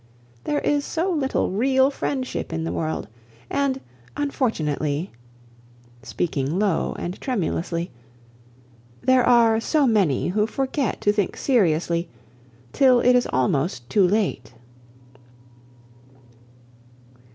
There is so little real friendship in the world! and unfortunately" (speaking low and tremulously) "there are so many who forget to think seriously till it is almost too late."